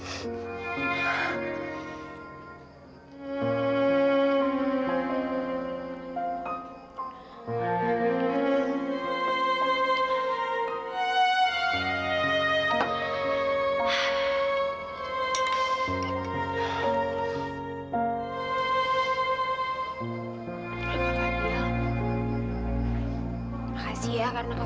kamu sudah makan